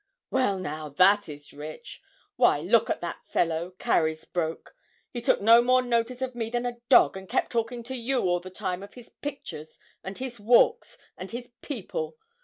'Well, now, that is rich! Why, look at that fellow, Carysbroke: he took no more notice to me than a dog, and kep' talking to you all the time of his pictures, and his walks, and his people.